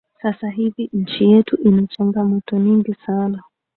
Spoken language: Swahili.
Sasa hivi nchi yetu ina changamoto nyingi sana